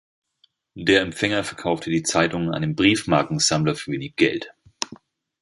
Der Empfänger verkaufte die Zeitung einem Briefmarkensammler für wenig Geld.